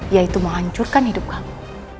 yaitu menghancurkan hidup kamu